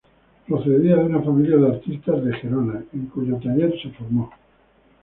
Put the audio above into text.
Procedía de una familia de artistas de Gerona, en cuyo taller se formó.